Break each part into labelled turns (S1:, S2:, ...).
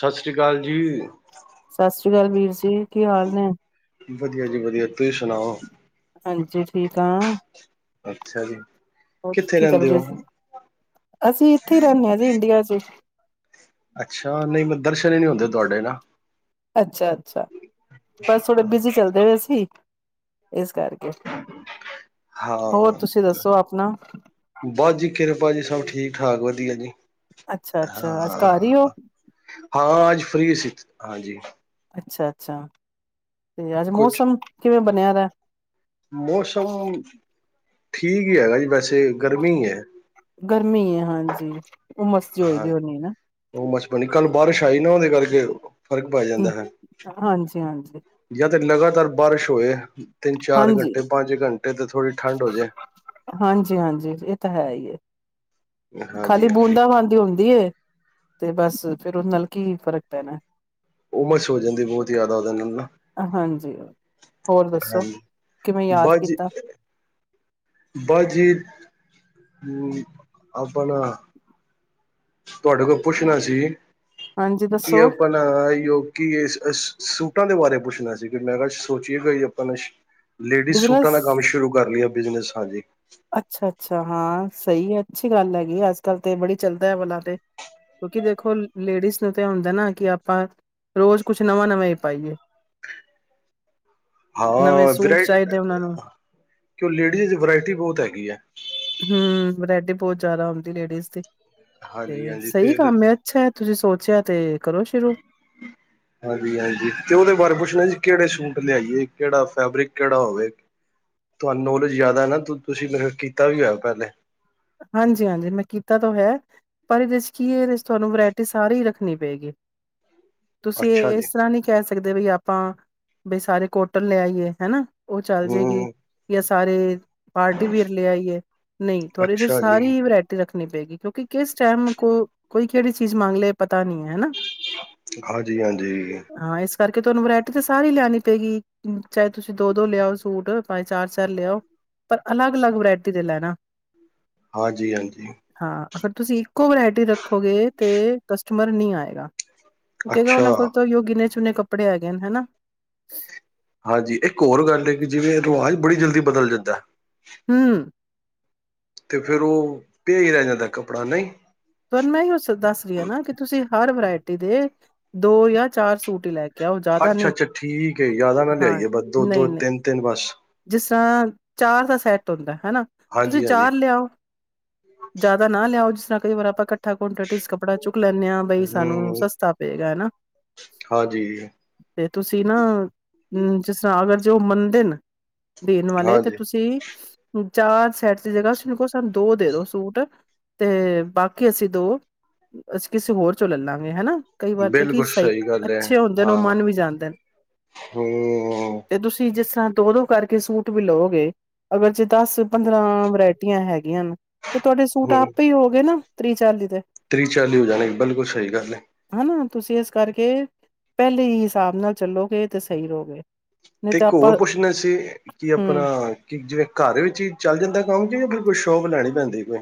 S1: ਸਸ ਸ੍ਰੀ ਕਾਲ ਜੀ।
S2: ਸਸ ਸ੍ਰੀ ਕਾਲ ਵੀਰ ਜੀ, ਕੀ ਹਾਲ ਨੇ।
S1: ਵਧੀਆ ਜੀ, ਵਧੀਆ ਤੁਸੀਂ ਸੁਣਾਓ
S2: ਹਾਂਜੀ, ਠੀਕ ਹ
S1: ਅੱਛਾ ਜੀ
S2: ਹੋਰ
S1: ਕਿੱਥੇ
S2: ਕੀ
S1: ਰਹਿੰਦੇ
S2: ਕਰਦੇ
S1: ਹੋ
S2: ਅਸੀਂ ਇੱਥੇ ਹੀ ਰਹਿੰਦੇ ਹਾਂ ਜੀ ਇੰਡੀਆ ਚ
S1: ਅੱਛਾ ਨਹੀਂਬ ਦਰਸ਼ਨ ਹੀ ਨਹੀਂ ਹੁੰਦੇ ਤੁਹਾਡੇ ਨਾ
S2: ਅੱਛਾ ਅੱਛਾ ਬਸ ਥੋੜੇ ਬੀਜੀ ਚੱਲਦੇ ਵਏ ਸੀ ਇਸ ਕਰਕੇ
S1: ਹਾਂ
S2: ਹੋਰ ਤੁਸੀਂ ਦੱਸੋ ਆਪਣਾ।
S1: ਬਸ ਜੀ ਕਿਰਪਾ ਜੀ ਸਭ ਠੀਕ-ਠਾਕ ਵਧੀਆ ਜੀ।
S2: ਅੱਛਾ ਅੱਛਾ ਅੱਜ
S1: ਹਾਂ
S2: ਘਰ ਹੀ ਹੋ
S1: ਹਾਂ ਅੱਜ ਫਰੀ ਸੀ ਹਾਂਜੀ
S2: ਅੱਛਾ ਅੱਛਾ ਤੇ ਅੱਜ
S1: ਕੁਛ
S2: ਮੌਸਮ ਕਿਵੇਂ ਬਣਿਆ ਦਾ
S1: ਮੌਸਮ ਠੀਕ ਹੀ ਹੈਗਾ ਜੀ ਵੈਸੇ ਗਰਮੀ ਹੈ
S2: ਗਰਮੀ ਹੈ ਹਾਂਜੀ ਉਹ ਮਸਤੀ ਹੋਏ
S1: ਹਾਂ
S2: ਦੀ ਹੋਣੀ ਨਾ
S1: ਉਹ ਮਚਪਣੀ ਕੱਲ ਬਾਰਿਸ਼ ਆਈ ਨਾ ਉਹਦੇ ਕਰਕੇ ਫ਼ਰਕ ਪੈ ਜਾਂਦਾ
S2: ਹਮ,
S1: ਹੈ
S2: ਹਾਂਜੀ ਹਾਂਜੀ
S1: ਜਾਂ ਤੇ ਲਗਾਤਾਰ ਬਾਰਿਸ਼ ਹੋਏ ਤਿੰਨ ਚਾਰ
S2: ਹਾਂਜੀ
S1: ਘੰਟੇ ਪੰਜ ਘੰਟੇ ਤੇ ਥੋੜ੍ਹੀ ਠੰਡ ਹੋ ਜਾਏ
S2: ਹਾਂਜੀ ਹਾਂਜੀ ਇਹ ਤਾਂ ਹੈ ਹੀ ਹੈ
S1: ਹਾਂਜੀ
S2: ਖਾਲੀ
S1: ਹਾਂਜੀ
S2: ਬੂੰਦਾਂ ਬਾਂਦੀ ਹੁੰਦੀ ਤੇ ਬਸ ਫੇਿਰ ਉਹਦੇ ਨਾਲ ਕੀ ਫ਼ਰਕ ਪੈਣਾ
S1: ਉਹਮਰਸ਼ ਹੋ ਜਾਂਦੀ ਬਹੁਤ ਯਾਦਾ ਆ ਨਾ
S2: ਹਾਂਜੀ ਹੋਰ ਦੱਸੋ
S1: ਹਾਂਜੀ
S2: ਕਿਵੇਂ ਯਾਦ
S1: ਬਾਜੀ
S2: ਕੀਤਾ
S1: ਬਜਿਦ ਆਪਣਾ ਤੁਹਾਡੇ ਕੋਲ ਪੁੱਛਣਾ ਸੀ
S2: ਹਾਂਜੀ
S1: ਕੀ
S2: ਦੱਸੋ
S1: ਆਪਾਂ ਯ ਕਿ ਸੂਟਾਂ ਦੇ ਬਾਰੇ ਪੁੱਛਣਾ ਸੀ ਕਿ ਮੈਂ ਸੋਚੀਏਗਾ ਜ ਆਪਾਂ ਲੇਡੀਜ਼
S2: ਬਿਜਨਸ
S1: ਸੂਟਾਂ ਦਾ ਕੰਮ ਸ਼ੁਰੂ ਕਰ ਲਿਆ ਬਿਜਨਸ ਹਾਂਜੀ
S2: ਅੱਛਾ ਅੱਛਾ ਹਾਂ ਸਹੀ ਹੈ ਅੱਛੀ ਗੱਲ ਹੈਗੀ ਅੱਜ ਕੱਲ੍ਹ ਤੇ ਬੜੀ ਚੱਲਦਾ ਹੈ ਵ ਤੇ ਕਿਉਂਕਿ ਦੇਖੋ ਲੇਡੀਜ਼ ਨੂੰ ਤਾਂ ਹੁੰਦਾ ਨਾ ਕਿ ਆਪਾਂ ਰੋਜ਼ ਕੁਛ ਨਵਾਂ ਨਵਾਂ ਹੀ ਪਾਈਏ ਨਵੇਂ
S1: ਹਾਂ ਵਰਾ
S2: ਸੂਟ ਚਾਹੀਦੇ ਉਹਨਾਂ ਨੂੰ
S1: ਕਿ ਲੇਡੀਜ਼ ਚ ਵਰਾਇਟੀ ਬਹੁਤ ਹੈਗੀ ਆ
S2: ਹਮ ਵਰੈਟੀ ਬਹੁਤ ਜ਼ਿਆਦਾ ਆਉਂਦੀ ਲੇਡੀਜ਼ ਦੀ
S1: ਹਾਂਜੀ
S2: ਤੇ
S1: ਹਾਂਜੀ
S2: ਸਹੀ
S1: ਫਿਰ
S2: ਕੰਮ ਆ ਅੱਛਾ ਤੁਸੀਂ ਸੋਚਿਆ ਤੇ ਕਰੋ ਸ਼ੁਰੂ
S1: ਹਾਂਜੀ ਹਾਂਜੀ ਤੇ ਉਹਦੇ ਬਾਰੇ ਪੁੱਛਣਾ ਜੀ ਕਿਹੜੇ ਸੂਟ ਲਿਆਈਏ ਕਿਹੜਾ ਫੈਬਰਿਕ ਕਿਹੜਾ ਹੋਵੇ ਤੁਹਾਨੂੰ ਨੌਲੇਜ ਜ਼ਿਆਦਾ ਨਾ ਤੁਸੀਂ ਮ ਕੀਤਾ ਵੀ ਹੋਇਆ ਪਹਿਲੇ
S2: ਹਾਂਜੀ ਹਾਂਜੀ ਮੈਂ ਕੀਤਾ ਤੋਂ ਹੈ ਪਰ ਇਹਦੇ ਚ ਕੀ ਹੈ ਇਹਦੇ ਤੁਹਾਨੂੰ ਵਰਾਇਟੀ ਸਾਰੀ ਰੱਖਣੀ ਪਏਗੀ
S1: ਹ [unintelligible]
S2: ਤੁਸੀਂ ਇਸ ਤਰ੍ਹਾਂ ਨਹੀਂ ਕਹਿ ਸਕਦੇ ਵੀ ਆਪਾਂ ਬਈ ਸਾਰੇ ਕੋਟਲ ਲਿਆਈਏ ਹੈਨਾ ਉਹ ਚੱਲ ਜਾਏਗੀ
S1: ਹੂੰ
S2: ਜਾਂ ਸਾਰੇ ਪਾਰਟੀ ਵੀਰ ਲਿਆਈ ਏ ਨਹੀਂ ਔ ਏਦੇ
S1: ਅੱਛਾ ਜੀ
S2: ਸਾਰੀ ਰੱਖਣੀ ਪਏਗੀ ਕਿਉਂਕਿ ਕਿਸ ਟਾਈਮ ਕੋ ਕੋਈ ਕਿਹੜੀ ਚੀਜ਼ ਮੰਗ ਲਏ ਪਤਾ ਨੀ ਹੈ ਹਨਾ
S1: ਹਾਂਜੀ ਹਾਂਜੀ
S2: ਹਾਂ ਇਸ ਕਰਕੇ ਤੁਹਾਨੂੰ ਵਰਾਇਟੀ ਤਾਂ ਸਾਰੀ ਲੈਉਣੀ ਪਏਗੀ ਚਾਹੇ ਤੁਸੀਂ ਦੋ ਦੋ ਲਿਆਓ ਸੂਟ ਪਾਏ ਚਾਰ ਚਾਰ ਲਿਆਓ ਪਰ ਅਲੱਗ ਅਲੱਗ ਵਰਾਇਟੀ ਦੇ ਲੈਣਾ
S1: ਹਾਂਜੀ ਹਾਂਜੀ
S2: ਹਾਂ ਅਗਰ ਤੁਸੀਂ ਇੱਕੋ ਵਰਾਇਟੀ ਰੱਖੋਗੇ ਤੇ ਕਸਟਮਰ ਨਹੀਂ ਆਏਗਾ ਕ
S1: ਅੱਛਾ
S2: ਉਹਨਾਂ ਕੋਲ ਤਾਂ ਗਿਨੇਛੁਨਣੇ ਕੱਪੜੇ ਆ ਜਾਦੇ ਨਾ
S1: ਹਾਂਜੀ ਇੱਕ ਹੋਰ ਗੱਲ ਹੈ ਕਿ ਜਿਵੇਂ ਰਿਵਾਜ਼ ਬੜੀ ਜਲਦੀ ਬਦਲ ਜਾਂਦਾ
S2: ਹਮ
S1: ਤੇ ਫੇਿਰ ਉਹ ਭੇਜ ਰਹਿ ਜਾਂਦਾ ਕੱਪੜਾ ਨਹੀਂ
S2: ਤੁਹਾਨੂੰ ਮੈਂ ਹੀ ਉਹ ਦੱਸ ਰਹੀ ਹਾਂ ਨਾ ਕਿ ਤੁਸੀ ਹਰ ਵਰਾਇਟੀ ਦੇ ਦੋ ਜਾਂ ਚਾਰ ਸੂਟ ਹੀ ਲੈ ਕੇ ਆਓ ਜ਼ਿਆਦਾ
S1: ਅੱਛਾ
S2: ਨਹੀਂ
S1: ਅੱਛਾ ਠੀਕ ਹੈ ਜ਼ਿਆਦਾ ਨਾ
S2: ਹਾਂ
S1: ਲਿਆਈਏ ਬਸ ਦੋ ਦੋ
S2: ਨਹੀਂ ਨਹੀਂ
S1: ਤਿੰਨ ਤਿੰਨ ਬਸ
S2: ਜਿਸ ਤਰ੍ਹਾਂ ਚਾਰ ਦਾ ਸੈਟ ਹੁੰਦਾ ਹਨਾ ਤੁਸੀਂ
S1: ਹਾਂਜੀ ਹਾਂਜੀ
S2: ਚਾਰ ਲਿਆਓ ਜ਼ਿਆਦਾ ਨਾ ਲਿਆਓ ਜਿਸ ਤਰ੍ਹਾਂ ਕਈ ਵਾਰ ਆਪਾ ਇਕਠ [unintelligible] ਚ ਕੱਪੜਾ ਚੁੱਕ ਲੈਂਨੇ ਆਂ ਬਈ ਸਾਨੂੰ
S1: ਹਮ
S2: ਸਸਤਾ ਪਏਗਾ ਹਨਾ।
S1: ਹਾਂਜੀ
S2: ਤੇ ਤੁਸੀਂ ਨਾ ਅਮ ਜਿਸ ਅਗਰ ਜੇ ਉਹ ਮੰਨਦੇ ਨੇ ਦੇਣ ਵਾਲੇ, ਤੇ
S1: ਹਾਂਜੀ
S2: ਤੁਸੀਂ ਚਾਰ ਸੈਟ ਦੀ ਜਗ੍ਹਾ ਤੁਸੀ ਕਹੋ ਸਾਨੂ ਦੋ ਦੇ ਦੋ ਸੂਟ ਤੇ ਬਾਕੀ ਅਸੀਂ ਦੋ ਅਸੀਂ ਕਿਸੇ ਹੋਰ ਚੋਂ ਲਲਾਂਗੇ, ਹਨਾ? ਕਈ ਵਾਰ ਤੇ ਕਿ
S1: ਬਿਲਕੁਲ
S2: ਸਈ,
S1: ਸਹੀ ਗੱਲ ਹੈ
S2: ਅੱਛੇ ਹੁੰਦੇ ਨੇ, ਔ ਮਨ ਵੀ ਜਾਂਦੇ ਨੇ।
S1: ਹੁੰ।
S2: ਤੇ ਤੁਸੀਂ ਜਿਸ [unintelligible] ਦੋਂ-ਦੋ ਕਰਕੇ ਸੂਟ ਵੀ ਲੋਗੇ। ਅਗਰ ਜੇ ਦਸ ਪੰਦਰਾਂ ਵਰੈਟੀਆਂ ਹੈਗੀਆਂ ਤੇ ਤੁਆਡੇ ਸੂਟ ਆਪ ਈ ਹੋ ਗਏ ਨਾ, ਤ੍ਰੀਹ ਚਾਲੀ ਤੇ।
S1: ਤ੍ਰਰੀ ਚਾਲੀ ਹੋ ਜਾਣੇ, ਬਿਲਕੁਲ ਸਈ ਗੱਲ ਏ।
S2: ਹਨਾ, ਤੁਸੀਂ ਏਸ ਕਰਕੇ ਪੈਲੇ ਈ ਹਿਸਾਬ ਨਾਲ ਚੱਲੋਗੇ, ਤੇ ਸਈ ਰੋਗੇ।
S1: ਤੇ ਇੱਕ ਔਰ ਪੁੱਛਣਾ ਸੀ ਕਿ ਅਪਣਾ
S2: ਹਮ
S1: ਕਿ ਜਿਵੇਂ ਕਰ ਵਿੱਚ ਈ ਚੱਲ ਜਾਂਦਾ ਕੰਮ, [unintelligible] ਕੋਈ ਸ਼ੋਪ ਲੈਣੀ ਪੈਂਦੀ ਕੋਈ?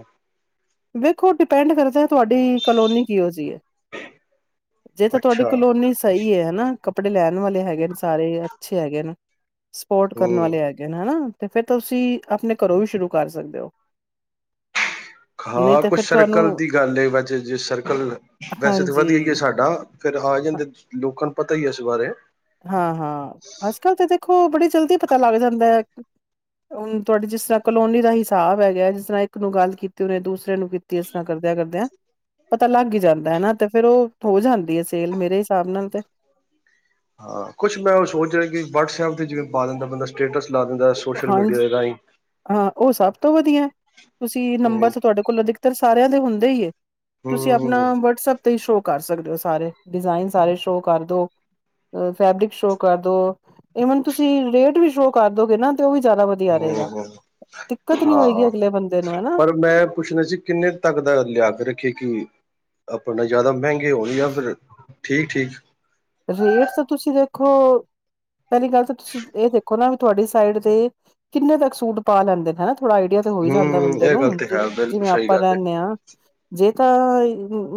S2: ਵੇਖੋ, ਡਿਪੈਂਡ ਕਰਦਾ ਤੁਆਡੀ ਕਲੋਨੀ ਕਿਔ ਜੀ ਏ। ਜੇ ਤਾਂ ਤੁਆਡੀ
S1: ਅੱਛਾ
S2: ਕਲੋਨੀ ਸਈ ਏ, ਹਨਾ, ਕੱਪੜੇ ਲੈਣ ਵਾਲੇ ਹੈਗੇ ਨੇ, ਸਾਰੇ ਅੱਛੇ ਹੈਗੇ ਨ। ਸਪੋਰਟ ਕਰਨ
S1: ਹਮ
S2: ਵਾਲੇ ਹੈਗੇ ਨੇ, ਹਨਾ? ਤੇ ਫੇਰ ਤੁਸੀਂ ਅਪਣੇ ਕਰੋਂ ਵੀ ਸ਼ੁਰੂ ਕਰ ਸਕਦੇ ਹੋ। ਨਹੀਂ
S1: ਹਾਂ,
S2: ਤੇ
S1: ਕੁਛ
S2: ਫਿਰ ਤੁਹਾਨੂੰ
S1: ਸ਼ਰਕਲ ਦੀ ਗੱਲ ਏ, [unintelligible] ਜੇ ਸਰਕਲ ਵੈਸੇ ਤਾਂ
S2: ਹਾਂਜੀ,
S1: ਵਧੀਆ ਈ ਏ ਸਾਡਾ। ਫੇਰ ਆ ਜਾਂਦੇ, ਲੋਕਾਂ ਨੂੰ ਪਤਾ ਈ ਏ ਇਸ ਬਾਰੇ।
S2: ਹਾਂ-ਹਾਂ, ਅੱਜ ਕੱਲ ਤੇ ਦੇਖੋ, ਬੜੀ ਜਲਦੀ ਪਤਾ ਲੱਗ ਜਾਂਦਾ ਐ। ਹੁਣ ਤੁਆਡੀ ਜਿਸ ਤਰ੍ਹਾਂ ਕਲੋਨੀ ਦਾ ਹਿਸਾਬ ਹੈਗਾ, ਜਿਸ ਤਰ੍ਹਾਂ ਇੱਕ ਨੂੰ ਗੱਲ ਕੀਤੀ, ਉੱਨੇ ਦੂਸਰੇ ਨੂੰ ਕੀਤੀ। ਏਸ ਤਾਂ, ਕਰਦੇਆਂ-ਕਰਦੇਆਂ। ਪਤਾ ਲੱਗ ਈ ਜਾਂਦਾ, ਹਨਾ? ਤੇ ਫੇਰ ਔ ਹੋ ਜਾਂਦੀ ਹੈ ਸੇਲ, ਮੇਰੇ ਹਿਸਾਬ ਨਾਲ ਤੇ।
S1: ਹਾਂ, ਕੁਛ ਮੈਂ ਔ ਸੋਚ ਰਿਆ ਕਿ ਵਟਸਐਪ 'ਤੇ, ਜਿਵੇਂ ਪਾ ਦਿੰਦਾ, ਬੰਦਾ ਸਟੇਟਸ ਲਾ ਦਿੰਦਾ ਸੋਸ਼ਲ ਮੀਡੀਆ
S2: ਹਾਂਜੀ
S1: ਦੇ ਰਾਈਂ।
S2: ਹਾਂ, ਔ ਸਭ ਤੋਂ ਵਧੀਆ। ਤੁਸੀਂ ਨੰਬਰ
S1: ਹੂੰ
S2: ਤਾਂ ਤੁਆਡੇ ਕੋਲ ਅਧਿਕਤਰ ਸਾਰਿਆਂ ਦੇ ਹੁੰਦੇ ਈ ਏ। ਤੁਸੀਂ ਅਪਣਾ
S1: ਹੂੰ
S2: ਵਟਸਐਪ ਤੇ ਈ ਸ਼ੋਅ ਕਰ ਸਕਦੇ ਔ। ਸਾਰੇ ਡਿਜ਼ਾਇਨ ਸਾਰੇ ਸ਼ੋਅ ਕਰ ਦੋ। ਫੈਬਰਿਕ ਸ਼ੋ ਕਰਦੋ। ਈਵਨ, ਤੁਸੀਂ ਰੇਟ ਵੀ ਸ਼ੋਅ ਕਰ ਦੋਗੇ ਨਾ, ਤੇ ਔ ਵੀ ਜ਼ਾਦਾ ਵ ਧਿਆ ਰੇਗਾ,
S1: ਹੂੰ
S2: ਦਿੱਕਤ ਨੀ ਹੋਏਗੀ
S1: ਹਾਂ
S2: ਅਗਲੇ ਬੰਦੇ ਨੂੰ, ਹਨਾ।
S1: ਪਰ ਮੈਂ ਪੁੱਛਣਾ ਸੀ, ਕਿੰਨੇ ਤੱਕ ਦਾ ਲਿਆ ਕੇ ਰੱਖੀਏ ਕਿ? ਆਪਣਾ ਜ਼ਾਦਾ ਮੈੰਗੇ ਹੋਣ ਯਾਂ ਫਿਰ ਠੀਕ-ਠੀਕ?
S2: ਰੇਟ ਤਾਂ ਤੁਸੀਂ ਦੇਖੋ। ਪੈਲੀ ਗੱਲ ਤਾਂ ਤੁਸੀਂ ਏ ਦੇਖੋ ਨਾ। ਤੁਆਡੀ ਸਾਈਡ, ਤੇ ਕਿੰਨੇ ਤੱਕ ਸੂਟ ਪਾ ਲੈਂਦੇ ਨੇ, ਹਨਾ? ਥੋੜਾ ਆਈਡੀਆ ਹੋਈ ਜਾਂਦਾ
S1: ਹੂੰ
S2: ਬੰਦੇ
S1: ਇਹ ਗੱਲ
S2: ਨੂੰ,
S1: ਤੇ ਹੈ ਬਿਲਕੁਲ
S2: ਜਿਵੇਂ
S1: ਸਹੀ
S2: ਆਪਾਂ
S1: ਗੱਲ ਹੈ
S2: ਰੈਨੇ ਆਂ। ਜੇ ਤਾਂ,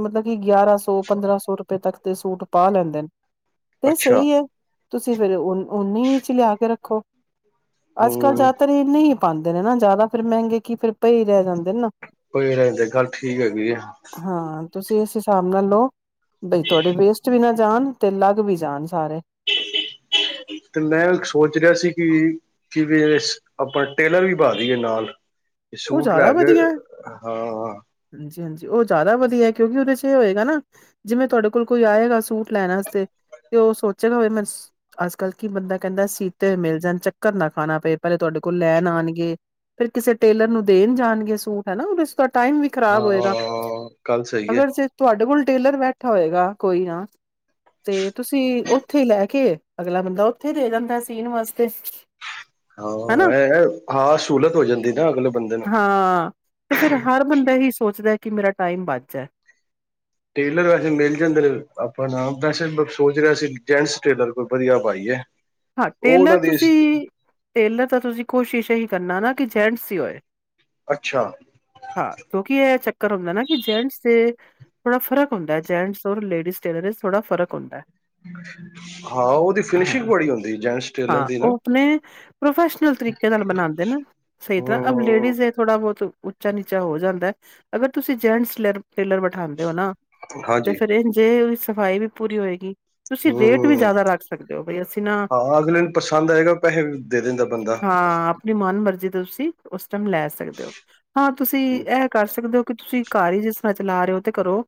S2: ਮਤਲਬ ਕਿ ਗਿਆਰਾਂ ਸੌ ਪੰਦਰਾਂ ਸੌ ਰੁਪੈ ਤੱਕ ਦੇ ਸੂਟ ਪਾ ਲੈਂਦੇ ਨੇ। ਏ
S1: ਅੱਛਾ
S2: ਸਈ ਐ, ਤੁਸੀਂ ਫੇਰ ਔਨੀ ਚ ਲਿਆ ਕੇ ਰੱਖੋ। ਅੱਜ ਕੱਲ੍ਹ
S1: ਹੂੰ
S2: ਜ਼ਆਦਾਤਰ ਏਹਨੇ ਈ ਪਾਂਦੇ ਨੇ ਨਾ, ਜ਼ਾਦਾ ਫੇਰ ਮੈਂਗੇ ਕੀ ਫੇਰ ਪਏ ਰੈ ਜਾਂਦੇ ਨੇ ਨਾ।
S1: ਪਏ ਰਹਿੰਦੇ, ਗੱਲ ਠੀਕ ਹੈਗੀ ਏ।
S2: ਹਾਂ, ਤੁਸੀਂ ਏਸ ਹਿਸਾਬ ਨਾਲ ਲੋ, ਬਈ ਤੁਹਾਡੇ ਵੇਸਟ ਵੀ ਨਾ ਜਾਣ। ਤੇ ਲੱਗ ਵੀ ਜਾਣ ਸਾਰੇ।
S1: ਤੇ ਮੈਂ ਸੋਚ ਰਿਆ ਸੀ ਕਿ ਕਿ ਵੀ ਅਪਾ ਟੇਲਰ ਵੀ ਬਾ ਦੀਏ, ਨਾਲ।
S2: ਉਹ
S1: ਸੂਟ ਲੈ ਕੇ, ਹਾਂ।
S2: ਹਾਂਜੀ-ਹਾਂਜੀ, ਔ ਜ਼ਾਦਾ ਵਧੀਐ, ਕਿਉਂਕਿ ਓੱਦੇ ਚ ਏ ਹੋਏਗਾ ਨਾ। ਜਿਵੇਂ ਤੁਆਡੇ ਕੋਲ ਕੋਈ ਆਏਗਾ। ਸੂਟ ਲੈਣ ਆਸਤੇ, ਤੇ ਔ ਸੋਚੇਗਾ। ਹੋਵੇ ਮੈਂ ਅੱਜ-ਕੱਲ੍ਹ ਕੀ ਬੰਦਾ ਕੈਂਦਾ, ਸੀਤੇ ਹੋਏ ਮਿਲ ਜਾਣ, ਚੱਕਰ ਨਾ ਖਾਣਾ ਪੇ, ਪੈਲੇ ਤੁਆਡੇ ਕੋਲ ਲੈਣ ਆਣਂਗੇ। ਫੇਰ ਕਿਸੇ ਟੇਲਰ ਨੂੰ ਦੇਣ ਜਾਣਗੇ, ਸੂਟ ਹੈ ਨਾ? ਟਾਈਮ ਵੀ ਖ਼ਰਾਬ ਹੋਏਗਾ।
S1: ਹਾਂ ਗੱਲ ਸਹੀ ਹੈ
S2: ਅਗਰ ਜੇ ਤੁਆਡੇ ਕੋਲ ਟੇਲਰ ਬੈਠਾ ਹੋਏਗਾ ਕੋਈ ਨਾ, ਤੇ ਤੁਸੀਂ ਉੱਥੇ ਈ ਲੈ ਕੇ, ਅਗਲਾ ਬੰਦਾ ਔਥੇ ਦੇ ਜਾਂਦਾ ਸੀਨ ਵਾਸਤੇ। ਹਨਾ
S1: ਹਾਂ-ਹਾਂ, ਸੂਹਲਤ ਹੋ ਜਾਂਦੀ ਨਾ ਅਗਲੇ ਬੰਦੇ ਨੂੰ
S2: ਹਾਂ, ਤੇ ਫੇਰ ਹਰ ਬੰਦਾ ਏਹੀ ਸੋਚਦਾ ਕਿ ਮੇਰਾ ਟਾਈਮ ਬਚ ਜਾਏ।
S1: ਟੇਲਰ ਵੈਸੇ ਮਿਲ ਜਾਂਦੇ ਨੇ। ਆਪਣਾ ਵੈਸੇ ਸੋਚ ਰਿਆ ਸੀ ਜੈਂਟਸ ਟੇਲਰ ਕੋਈ ਵਧੀਆ ਬਾਈਏ।
S2: ਹਾਂ, ਟੇਲਰ ਤੁਸੀਂ ਟੇਲਰ ਤਾਂ ਤੁਸੀਂ ਕੋਸ਼ਿਸ਼ ਏਹੀ ਕਰਨਾ ਨਾ ਕਿ ਜੈਂਟਸ ਈ ਹੋਏ।
S1: ਅੱਛਾ।
S2: ਹਾਂ, ਕਿਉਂਕਿ ਇਹ ਚੱਕਰ ਹੁੰਦਾ ਨਾ ਕਿ ਜੈਂਟਸ ਦੇ ਥੋੜਾ ਫਰਕ ਹੁੰਦਾ ਜੈਂਟਸ ਔਰ ਲੇਡੀਜ਼ ਟੇਰ ਚ ਥੋੜਾ ਫਰਕ ਹੁੰਦੈ।
S1: ਹਾਂ ਓਦੀ ਫਿਨਿਸ਼ਿੰਗ ਬੜੀ ਹੁੰਦੀ ਜੈਂਟਸ ਟੇਲਰ
S2: ਹਾਂ
S1: ਦੀ ਨਾ
S2: ਓ ਅਪਨੇ ਪ੍ਰੋਫੈਸ਼ਨਲ ਤਰੀਕੇ ਨਾਲ ਬਨਾਂਦੇ ਨਾ। ਸਹੀ ਤਰ੍ਹਾਂ ਅ
S1: ਹੂੰ
S2: ਲੇਡੀਜ਼ ਇਹ ਥੋੜਾ ਬਹੁਤ ਉੱਚਾ ਨੀਚਾ ਹੋ ਜਾਂਦਾ ਹੈ ਅਗਰ ਤੁਸੀਂ ਜੈਂਟਸ ਲ ਟੇਲਰ ਬਿਠਾਂਦੇ ਓ ਨਾ ਤੇ
S1: ਹਾਂਜੀ
S2: ਫੇਰ ਇੰਜ ਏ ਸਫਾਈ ਵੀ ਪੂਰੀ ਹੋਏਗੀ। ਤੁਸੀਂ ਰੇਟ ਵੀ
S1: ਹੂੰ
S2: ਜ਼ਿਆਦਾ ਰੱਖ ਸਕਦੇ ਓ ਬਈ ਅਸੀਂ ਨਾ
S1: ਹਾਂ ਅਗਲੇ ਪਸੰਦ ਆਏਗਾ ਪੈਸੇ ਵੀ ਦੇ ਦੇਂਦਾ।
S2: ਹਾਂ ਆਪਨੀ ਮਨ ਮਰਜ਼ੀ ਦਾ ਤੁਸੀਂ ਉਸ ਟਾਈਮ ਲੈ ਸਕਦੇ ਹੋ, ਹਾਂ ਤੁਸੀਂ ਇਹ ਕਰ ਸਕਦੇ ਹੋ ਕਿ ਤੁਸੀਂ ਘਰ ਹੀ ਜਿਸ ਤਰ੍ਹਾਂ ਚਲਾ ਰਹੇ ਹੋ ਤੇ ਘਰੋਂ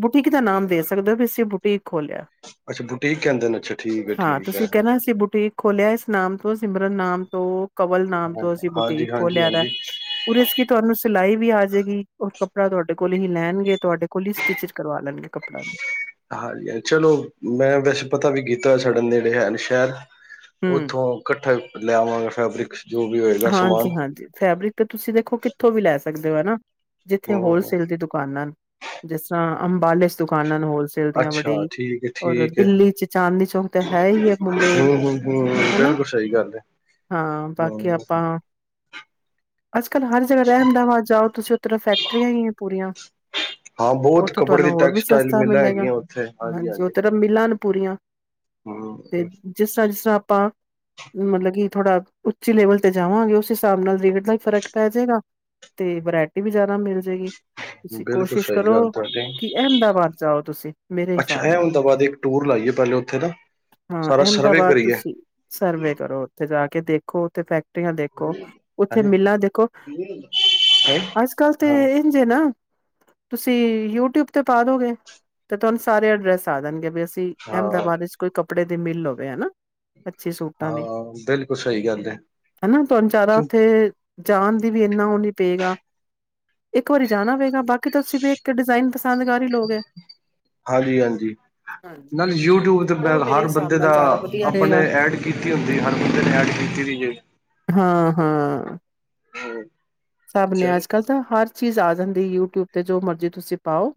S2: ਬੁਟੀਕ ਦਾ ਨਾਮ ਦੇ ਸਕਦੇ ਹੋ ਵੀ ਅਸੀਂ ਬੁਟੀਕ ਖੋਲਿਆ।
S1: ਅੱਛਾ ਬੁਟੀਕ ਕਹਿੰਦੇ ਨੇ, ਅੱਛਾ ਠੀਕ ਐ,
S2: ਹਾਂ
S1: ਠੀਕ ਐ।
S2: ਤੁਸੀਂ ਕਹਿਣਾ ਅਸੀਂ ਬੂਟੀਕ ਖੋਲਿਆ, ਇਸ ਨਾਮ ਤੋਂ, ਸਿਮਰਨ ਨਾਮ ਤੋਂ। ਕਵਲ ਨਾਮ
S1: ਹਾਂ
S2: ਤੋਂ ਅਸੀਂ ਬੁਟੀਕ
S1: ਹਾਂਜੀ ਹਾਂਜੀ
S2: ਖੋਲਯਾ ਦਾ ਐ।
S1: ਹਾਂਜੀ
S2: ਉਹਦੇ ਚ ਕੀ ਤੁਹਾਨੂੰ ਸਿਲਾਈ ਵੀ ਆ ਜਾਏਗੀ, ਉਹ ਕੱਪੜਾ ਤੁਹਾਡੇ ਕੋਲ ਹੀ ਲੈਨਗੇ, ਤੁਹਾਡੇ ਕੋਲ ਹੀ ਸਟਿਚ ਕਰਵਾ ਲੈਨਗੇ ਕੱਪੜਾ ਨੂੰ।
S1: ਹਾਂਜੀ-ਹਾਂਜੀ, ਚਲੋ ਮੈਂ ਵੈਸੇ ਪਤਾ ਵੀ ਕੀਤਾ ਸਾਡੇ ਨੇੜੇ ਹੈ ਨੇ ਸ਼ਹਿਰ।
S2: ਹੂੰ।
S1: ਉੱਥੋਂ ਕੱਠਾ ਲੈ ਆਵਾਂਗੇ ਫੈਬਰਿਕ। ਜੋ ਵੀ ਹੋਏਗਾ ਸਮਾਨ
S2: ਹਾਂਜੀ-ਹਾਂਜੀ ਫੈਬਰਿਕ ਤੇ ਤੁਸੀਂ ਦੇਖੋ ਕਿੱਥੋਂ ਵੀ ਲੈ ਸਕਦੇ ਹੋ ਹਨਾ ਜਿੱਥੇ
S1: ਹਮ
S2: ਹੋਲਸੇਲ ਦੀ ਦੁ ਦੁਕਾਨਾਂ, ਜਿਸ ਤਰ੍ਹਾਂ ਅੰਬਾਲਾ ਚ ਦੁਕਾਨਾਂ ਨਨ ਹੋਲ ਚਲਦੀਆਂ
S1: ਅੱਛਾ
S2: ਵੜੀ
S1: ਠੀਕ ਹੈ
S2: ਔਰ
S1: ਠੀਕ ਹੈ ਹਮ
S2: ਦਿੱਲੀ ਚ ਚਾਂਦਨੀ ਚੌਂਕ ਤਾਂ ਹੈ ਹੀ ਹੈ ਮੇਨ
S1: ਹਮ ਹਮ
S2: ਹਨਾ।
S1: ਬਿਲਕੁਲ ਸਹੀ ਗੱਲ ਏ।
S2: ਹਾਂ, ਬਾਕੀ ਆਪਾਂ ਅੱਜ-ਕੱਲ੍ਹ ਹਰ ਜਗਾਹ ਅਹਿਮਦਾਬਾਦ ਜਾਓ ਤੁਸੀਂ ਓਧਰ ਫੈਕਟਰੀਆਂ ਹੀ ਏ ਪੂਰੀਆਂ।
S1: ਹਾਂ ਬਹੁਤ
S2: ਓਥੇ
S1: ਕੱਪੜੇ
S2: ਤੁਹਾਨੂੰ
S1: ਦੀ
S2: ਹੋਰ ਵੀ
S1: ਟੈਕਸਟਾਈਲ
S2: ਸਸਤਾ
S1: ਮਿਲਾਂ
S2: ਮਿਲੇਗਾ
S1: ਹੈਗੀਆਂ ਉੱਥੇ
S2: ਹਾਂਜੀ ਓਥੇ ਤੇ ਮਿਲਾਂ ਨ ਪੂਰੀਆਂ ਤੇ
S1: ਹਮ
S2: ਜਿਸ ਤਰ੍ਹਾਂ, ਜਿਸ ਤਰ੍ਹਾਂ ਆਪਾਂ ਮਤਲਬ ਕਿ ਥੋੜਾ ਉੱਚੀ ਲੈਵਲ ਤੇ ਜਾਵਾਂਗੇ, ਉਸ ਹਿਸਾਬ ਨਾਲ ਮਤਲਬ ਫ਼ਰਕ ਪੈ ਜੇਗਾ ਤੇ ਵਰਾਇਟੀ ਵੀ ਜਾਦਾ ਮਿਲ ਜੇਗੀ। ਤੁਸੀਂ
S1: ਬਿਲਕੁਲ
S2: ਕੋਸ਼ਿਸ਼
S1: ਸਹੀ
S2: ਕਰੋ
S1: ਗੱਲ ਤੁਹਾਡੀ
S2: ਕਿ ਅਹਿਮਦਾਬਾਦ ਜਾਓ ਤੁਸੀਂ, ਮੇਰੇ
S1: ਅੱਛਾ
S2: ਹਿਸਾਬ
S1: ਇਹ
S2: ਨਾਲ।
S1: ਹੁਣ ਤੋਂ ਬਾਅਦ ਇੱਕ ਟੂਰ ਲਾਈਏ ਪਹਿਲੇ ਉੱਥੇ ਦਾ।
S2: ਹਾਂ ਅਹਿਮਦਾਬਾਦ ਤੁਸੀਂ ਸਰਵੇ ਕਰੋ, ਉੱਥੇ ਜਾ ਕੇ ਦੇਖੋ ਉੱਥੇ ਫੈਕਟਰੀਆਂ ਦੇਖੋ। ਤੇ
S1: ਹਾਂਜੀ
S2: ਮਿਲਾਂ ਦੇਖੋ
S1: ਹੈਂ
S2: ਅੱਜ ਕੱਲ ਤੇ
S1: ਹਾਂ
S2: ਇੰਝ ਏ ਨਾ ਤੁਸੀਂ ਯੂਟਿਊਬ ਤੇ ਪਾ ਦੋਗੇ ਤੇ ਤੁਹਾਨੂੰ ਸਾਰੇ ਅਡਰੈਸ ਆ ਜਾਨਗੇ ਵੀ ਅਸੀਂ
S1: ਹਾਂ
S2: ਅਹਿਮਦਾਬਾਦ ਵਿੱਚ ਕੋਈ ਕੱਪੜੇ ਦੀ ਮਿਲ ਹੋਵੇ ਹਨਾ। ਅੱਛੇ ਸੂਟਾਂ ਦੀ,
S1: ਹਾਂ ਬਿਲਕੁਲ ਸਹੀ ਗੱਲ ਹੈ
S2: ਹਨਾ ਤੁਹਾਨੂੰ ਜਾਦਾ
S1: ਕਿਉਂ
S2: ਉੱਥੇ ਜਾਨ ਦੀ ਵੀ ਇੰਨਾ ਉਹ ਨੀ ਪਏਗਾ, ਇੱਕ ਵਾਰੀ ਜਾਨਾ ਪਏਗਾ ਬਾਕੀ ਤਾਂ ਤੁਸੀ ਵੀ ਕਿ ਡਿਜ਼ਾਇਨ ਪਸੰਦ ਕਰ ਈ ਲੋਗੇ।
S1: ਹਾਂਜੀ-ਹਾਂਜੀ।
S2: ਹਾਂਜੀ
S1: ਨਾਲ ਯੂਟਿਊਬ ਤੇ ਮੈਂ
S2: ਉਹ ਮੇਰੇ
S1: ਹਰ
S2: ਹਿਸਾਬ
S1: ਬੰਦੇ
S2: ਨਾਲ
S1: ਦਾ,
S2: ਜ਼ਿਆਦਾ ਵਧੀਆ
S1: ਆਪਣੇ
S2: ਰਹੇਗਾ
S1: ਐਡ ਕੀਤੀ ਹੁੰਦੀ ਹਰ ਬੰਦੇ ਨੇ ਐਡ ਕੀਤੀ ਦੀ। [unintelligible]
S2: ਹਾਂ-ਹਾਂ।
S1: ਹੂੰ।
S2: ਸਬ ਨੇ, ਅੱਜ ਕੱਲ੍ਹ ਤਾਂ ਹਰ ਚੀਜ਼ ਆ ਜਾਂਦੀ ਯੂਟਿਊਬ ਤੇ ਜੋ ਮਰਜ਼ੀ ਤੁਸੀਂ ਪਾਓ।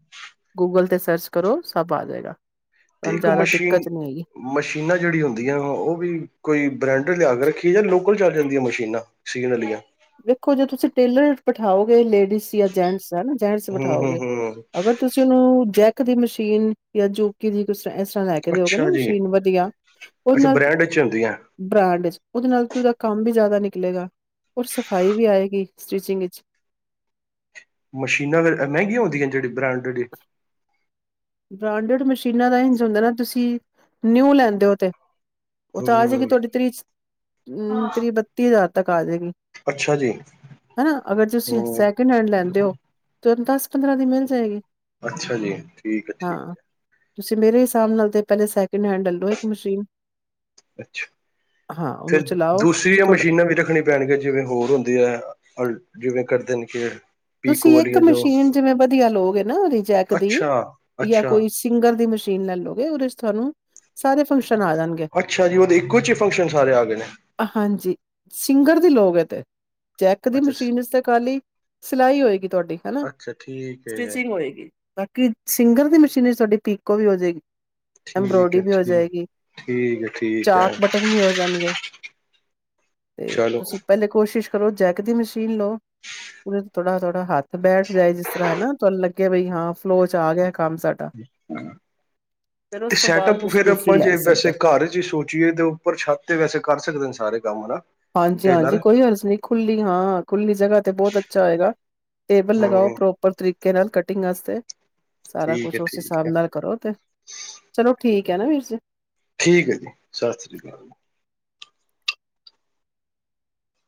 S2: ਗੂਗਲ ਤੇ ਸਰਚ ਕਰੋ, ਸਭ ਆ ਜੇਗਾ
S1: ਤੇ
S2: ਤੁਹਾਨੂੰ
S1: ਇੱਕ
S2: ਜ਼ਿਆਦਾ
S1: ਮਸ਼ੀਨ
S2: ਦਿੱਕਤ ਨਹੀਂ ਹੈਗੀ।
S1: ਮਸ਼ੀਨਾਂ ਜਿਹੜੀ ਹੁੰਦੀਆਂ, ਉਹ ਵੀ ਕੋਈ ਬ੍ਰੈਂਡਡ ਲਿਆ ਕੇ ਰੱਖੀਏ ਜਾਂ ਲੋਕਲ ਚੱਲ ਜਾਂਦੀਆਂ ਮਸ਼ੀਨਾਂ? [unintelligible]
S2: ਵੇਖੋ ਜੇ, ਤੁਸੀਂ ਟੇਲਰ ਬਿਠਾਓਗੇ ਲੇਡੀਜ਼ ਜਾਂ ਜੈਂਟਸ, ਜੈਂਟਸ
S1: ਹਮ ਹਮ
S2: ਬਿਠਾਓਗੇ,
S1: ਹਮ
S2: ਅਗਰ ਤੁਸੀਂ ਉਹਨੂੰ, ਜੈਕ ਦੀ ਮਸ਼ੀਨ ਜਾਂ ਜੋਕੀ ਦੀ ਕੁ ਤਰ੍ਹਾਂ ਇਸ ਤਰ੍ਹਾਂ ਲੈ ਕੇ ਦਿਓਗੇ ਨਾ
S1: ਅੱਛਾ ਜੀ
S2: ਮਸ਼ੀਨ ਵਧੀਆ, ਉਹਦੇ
S1: ਅੱਛਾ
S2: ਨਾਲ
S1: ਬ੍ਰੈਂਡ ਚ ਹੁੰਦੀਆਂ
S2: ਬ੍ਰਾਂਡ ਚ' ਉਹਦੇ ਨਾਲ ਕੀ ਉਹਦਾ ਕੰਮ ਵੀ, ਜ਼ਿਆਦਾ ਨਿਕਲੇਗਾ। ਔਰ ਸਫਾਈ ਵੀ ਆਏਗੀ ਸਟਿਚਿੰਗ ਵਿੱਚ
S1: ਮਸ਼ੀਨਾਂ ਫੇਰ ਮਹਿੰਗੀਆਂ ਹੁੰਦੀਆਂ? ਜਿਹੜੀ ਬ੍ਰਾਂਡਡ ਏ ਂੰੱ
S2: ਬ੍ਰਾਂਡਡ ਮਸ਼ੀਨਾਂ ਦਾ ਇੰਝ ਹੁੰਦਾ ਨਾ, ਤੁਸੀਂ ਨਿਊ ਲੈਂਦੇ ਹੋ ਤੇ ਉਹ ਤਾਂ ਆ ਜਾਏਗੀ,
S1: ਹਮ
S2: ਤੁਹਾਡੀ ਤਰੀ ਥ੍ਰਤੀਹ ਬੱਤੀ ਹਜ਼ਾਰ ਤੱਕ ਆ ਜਾਏਗੀ।
S1: ਅੱਛਾ ਜੀ
S2: ਹਨਾ, ਅਗਰ ਤੁਸੀਂ
S1: ਹਮ
S2: ਸੈਕਿੰਡ ਹੈਂਡ ਲੈਂਦੇ ਹੋ। ਤੁਹਾਨੂੰ ਦਸ ਪੰਦਰਾਂ ਦੀ ਮਿਲ ਜਾਏਗੀ।
S1: ਅੱਛਾ ਜੀ। ਠੀਕ ਹੈ ਠੀਕ
S2: ਹਾਂ ਤੁਸੀਂ, ਮੇਰੇ ਹਿਸਾਬ ਨਾਲ ਤੇ ਪਹਿਲੇ ਸੈਕਿੰਡ ਹੈਂਡ ਲੈ ਲਉ ਇੱਕ ਮਸ਼ੀਨ
S1: ਅੱਛਾ,
S2: ਹਾਂ
S1: ਫੇਰ
S2: ਉਹਨੂੰ ਚਲਾਓ
S1: ਦੂਸਰੀਆਂ
S2: ਥੋੜਾ
S1: ਮਸ਼ੀਨਾਂ ਵੀ ਰੱਖਣੀਆਂ। ਪੈਣਗੀਆਂ, ਜਿਵੇਂ ਹੋਰ ਹੁੰਦੀ ਹੈ, ' ਅ ਜਿਵੇਂ ਕਰਦੇ ਨੇ ਖੇਡ
S2: ਤੁਸੀਂ ਇੱਕ ਮਸ਼ੀਨ ਜਿਵੇਂ, ਵਧੀਆ ਲਓਗੇ ਨਾ, ਰਿਜੈਕ ਦੀ
S1: ਅੱਛਾ
S2: ਜਾਂ
S1: ਅੱਛਾ
S2: ਕੋਈ ਸਿੰਗਰ ਦੀ ਮਸ਼ੀਨ ਲੈ ਲਓਗੇ, ਉਹਦੇ 'ਚ ਤੁਹਾਨੂੰ ਸਾਰੇ ਫੰਕਸ਼ਨ ਆ ਜਾਣਗੇ
S1: ਅੱਛਾ ਜੀ, ਉਹਦੇ ਇੱਕੋ ਹੀ ਫੰਕਸ਼ਨ ਸਾਰੇ ਆ ਗਏ ਨੇ।
S2: ਹਾਂਜੀ, ਸਿੰਗਰ ਦੀ ਲਉਗੇ ਤੇ, ਜੈਕ ਦੀ
S1: ਅੱਛਾ
S2: ਮਸ਼ੀਨ ਇਸ ਤੇ ਖਾਲੀ ਸਿਲਾਈ ਹੋਏਗੀ ਤੁਹਾਡੀ, ਹਨਾ
S1: ਅੱਛਾ ਠੀਕ ਹੈ
S2: ਸਟਿਚਿੰਗ ਹੋਏਗੀ। ਬਾਕੀ ਸਿੰਗਰ ਦੀ ਮਸ਼ੀਨ 'ਚ,, ਤੁਹਾਡੀ ਪੀਕੋ ਵੀ ਹੋ ਜਾਏਗੀ।
S1: ਠੀਕ
S2: ਐੰਬਰੋਇਡਰੀ
S1: ਹੈ
S2: ਵੀ ਹੋ
S1: ਠੀਕ
S2: ਜਾਏਗੀ,
S1: ਠੀਕ ਹੈ ਠੀਕ ਹੈ
S2: ਚਾਕ, ਬ ਵੀ ਹੋ ਜਾਣਗੇ, ਤੇ
S1: ਚਲੋ
S2: ਤੁਸੀਂ ਪਹਿਲੇ ਕੋਸ਼ਿਸ਼ ਕਰੋ, ਜੈਕ ਦੀ ਮਸ਼ੀਨ ਲਓ। ਥੋੜਾ -ਥੋੜਾ, ਹੱਥ ਬੈਠ ਜਾਏ, ਜਿਸ ਤਰ੍ਹਾਂ ਹਨਾ ਤੁਹਾਨੂੰ ਲੱਗੇ ਬਈ ਹਾਂ, ਫਲੋ 'ਚ ਆ ਗਿਆ ਕੰਮ ਸਾਡਾ ਫੇਰ ਉਸ
S1: ਤੇ
S2: ਤੋਂ ਬਾਅਦ
S1: ਸੈਟਅੱਪ,
S2: ਤੁਸੀਂ
S1: ਫੇਰ
S2: ਦੂਸਰੀ
S1: ਆਪਾਂ
S2: ਲੈ
S1: ਜੇ
S2: ਸਕਦੇ
S1: ਵੈਸੇ
S2: ਹੋ
S1: ਘਰ 'ਚ ਸੋਚ ਚੀਏ, ਤੇ ਉੱਪਰ ਛੱਤ ਤੇ ਵੈਸੇ ਕਰ ਸਕਦੇ ਨੇ, ਸਾਰੇ ਕੰਮ ਹਨਾ।
S2: ਹਾਂਜੀ -ਹਾਂਜੀ,
S1: ਟੇਲਰ
S2: ਕੋਈ ਹਰਜ ਨਹੀਂ, ਖੁੱਲੀ ਹਾਂ -ਖੁੱਲੀ ਜਗ੍ਹਾ ਤੇ ਬਹੁਤ ਅੱਛਾ ਹੋਏਗਾ। ਟੇਬਲ ਲਗਾਉ,
S1: ਹਮ
S2: ਪ੍ਰੋਪਰ ਤਰੀਕੇ ਨਾਲ ਕਟਿੰਗ ਵਾਸਤੇ ਸਾਰਾ
S1: ਠੀਕ
S2: ਕੁਛ
S1: ਹੈ
S2: ਉਸ
S1: ਠੀਕ
S2: ਹਿਸਾਬ
S1: ਹੈ
S2: ਨਾਲ ਕਰੋ ਫੇਰ ਚਲੋ ਠੀਕ ਹੈ ਨਾ, ਵੀਰ ਜੀ।
S1: ਠੀਕ ਹੈ ਜੀ, ਸਤਿ ਸ੍ਰੀ ਅਕਾਲ।